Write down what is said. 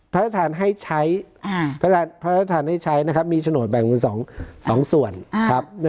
พระราชทานให้ใช้พระราชทานให้ใช้นะครับมีโฉนดแบ่งเป็น๒ส่วนครับ